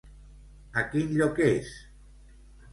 A quin lloc és?